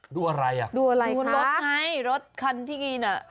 ดูอะไรดูรถไหมรถคันที่นี่นะ